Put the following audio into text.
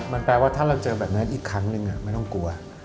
มันแปลว่าถ้าเราเจอแบบนั้นอีกครั้งหนึ่งไม่ต้องกลัว